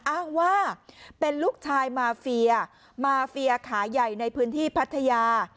อ้างว่าเป็นลูกชายมาเฟียมาเฟียขาใหญ่ในพื้นที่พัทยา